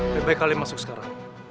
lebih baik kalian masuk sekarang